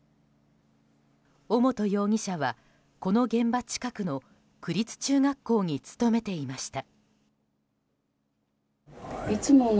尾本容疑者はこの現場近くの区立中学校に勤めていました。